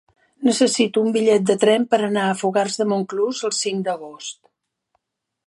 Necessito un bitllet de tren per anar a Fogars de Montclús el cinc d'agost.